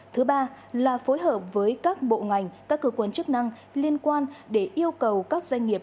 thứ ba là phối hợp với các bộ ngành các cơ quan chức năng liên quan để yêu cầu các doanh nghiệp